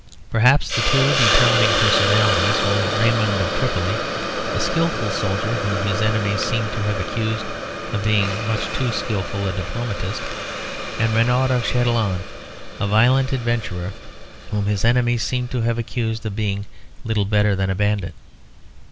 Perhaps the two determining personalities were Raymond of Tripoli, a skilful soldier whom his enemies seemed to have accused of being much too skilful a diplomatist; and Renaud of Chatillon, a violent adventurer whom his enemies seem to have accused of being little better than a bandit.